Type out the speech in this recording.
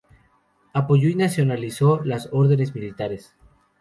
Apoyó y nacionalizó las órdenes militares.